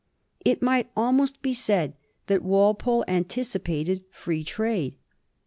It might almost be said that Walpole anticipated fi ee trade.